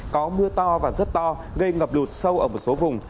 có mưa to và rất to gây ngập lụt sâu ở một số vùng